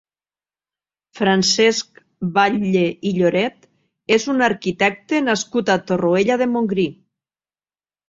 Francesc Batlle i Lloret és un arquitecte nascut a Torroella de Montgrí.